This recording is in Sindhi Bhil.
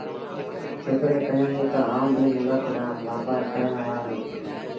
ڇوڪري ڪهيآݩدي تا آئوݩ ٻي ملڪ ڏآݩهݩ وآپآر ڪرڻ وهآݩ دو